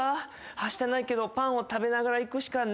はしたないけどパンを食べながら行くしかないわね。